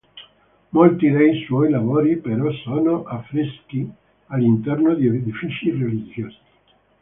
Molti dei suoi lavori, però, sono affreschi all'interno di edifici religiosi.